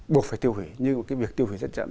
buộc phải tiêu hủy nhưng cái việc tiêu hủy rất chậm